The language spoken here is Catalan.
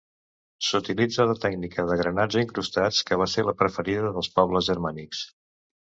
S'utilitza la tècnica de granats incrustats, que va ser la preferida pels pobles germànics.